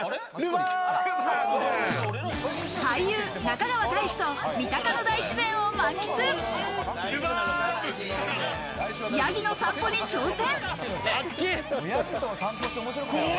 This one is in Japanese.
俳優・中川大志と三鷹の大自ヤギの散歩に挑戦。